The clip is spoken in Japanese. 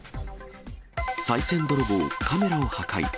さい銭泥棒カメラを破壊。